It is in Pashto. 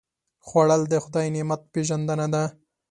خوړل د خدای نعمت پېژندنه ده